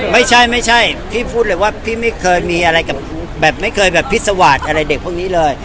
ไม่ใช่ไม่ใช่พี่พูดเลยว่าพี่ไม่เคยมีอะไรกับแบบไม่เคยแบบพิสวาสอะไรเด็กพวกนี้เลย